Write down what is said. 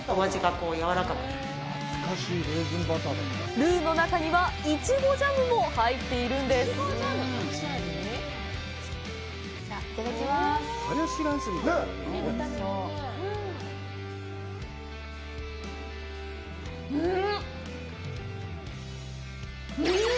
ルウの中にはいちごジャムも入っているんですいただきますうん！